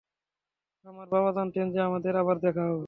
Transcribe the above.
আমার বাবা জানতেন যে আমাদের আবার দেখা হবে।